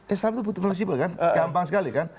islam itu betul betul misif kan gampang sekali kan